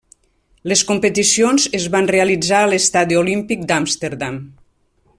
Les competicions es van realitzar a l'Estadi Olímpic d'Amsterdam.